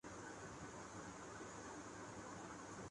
غالبؔ تمہیں کہو کہ ملے گا جواب کیا